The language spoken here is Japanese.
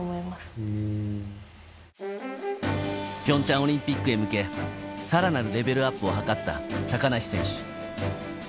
ピョンチャンオリンピックへ向け、さらなるレベルアップを図った高梨選手。